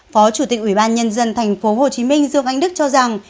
phó chủ tịch ủy ban nhân dân tp hcm dương anh đức cho rằng